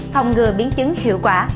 phòng ngừa biến chứng hiệu quả